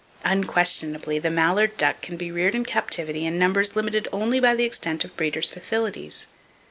Unquestionably, the mallard duck can be reared in captivity in numbers limited only by the extent of breeder's facilities.